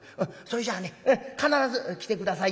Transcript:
それじゃあね必ず来て下さいよ。